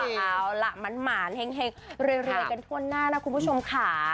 เอาล่ะหมานเฮ็งเรื่อยกันทั่วหน้านะคุณผู้ชมขา